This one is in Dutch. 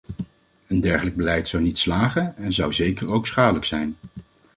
Een dergelijk beleid zou niet slagen en zou zeker ook schadelijk zijn.